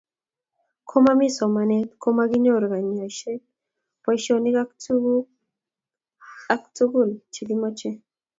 Komomii somanet komakinyoru kanyoiset, boishonik ak tukul alak tukul che kimoche